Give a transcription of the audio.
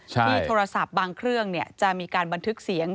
ที่โทรศัพท์บางเครื่องจะมีการบันทึกเสียง